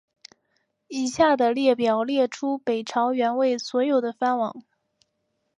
以下的列表列出北朝元魏所有的藩王。